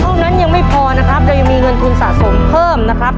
ยังไม่พอนะครับเรายังมีเงินทุนสะสมเพิ่มนะครับ